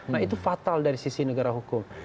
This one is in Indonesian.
nah itu fatal dari sisi negara hukum